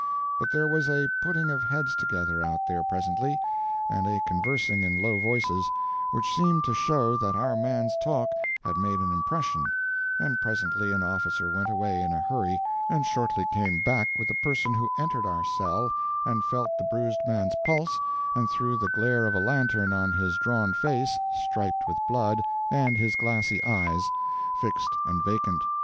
But there was a putting of heads together out there presently, and a conversing in low voices, which seemed to show that our man's talk had made an impression; and presently an officer went away in a hurry, and shortly came back with a person who entered our cell and felt the bruised man's pulse and threw the glare of a lantern on his drawn face, striped with blood, and his glassy eyes, fixed and vacant.